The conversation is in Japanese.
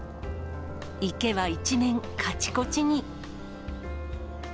池は一面、かちこちに。